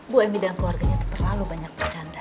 bu emi dan keluarganya tuh terlalu banyak bercanda